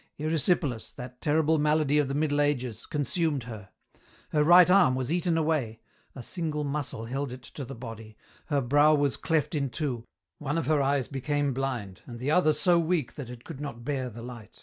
Erysipelas, that terrible malady of the Middle Ages, consumed her. Her right arm was eaten away, a single muscle held it to the body, her brow was cleft in two, one of her eyes became blind, and the other so weak that it could not bear the light.